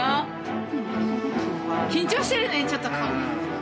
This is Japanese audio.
緊張してるねちょっと顔が。